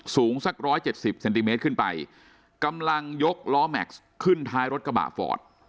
สูงสักร้อยเจ็ดสิบเซนติเมตรขึ้นไปกำลังยกล้อแม็กซ์ขึ้นท้ายรถกระบะฟอร์ด